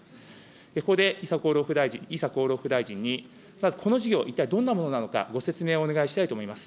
ここで伊佐厚労副大臣にまずこの事業、一体どんなものなのか、ご説明をお願いしたいと思います。